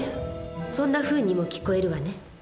そんなふうにも聞こえるわね。